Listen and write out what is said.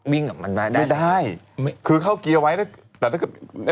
วิ่งกับมันได้ไหมไม่ได้คือเข้าเกียร์เอาไว้แต่ถ้าคือ